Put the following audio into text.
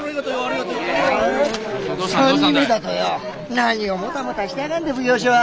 何をもたもたしてやがんだ奉行所は！